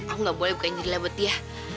aku gak boleh bukain jadi labet ya